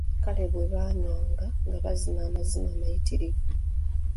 Kale bwe baanywanga nga bazina amazina amayittirivu.